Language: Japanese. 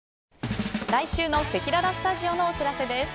来週のせきららスタジオのお知らせです。